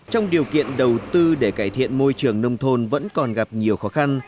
trong điều kiện đầu tư để cải thiện môi trường nông thôn vẫn còn gặp nhiều khó khăn